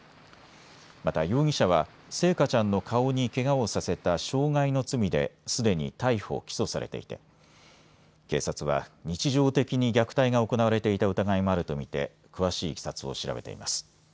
また容疑者は星華ちゃんの顔にけがをさせた傷害の罪ですでに逮捕・起訴されいて警察は日常的に虐待が行われていた疑いもあると見て詳しいいきさつを調べています。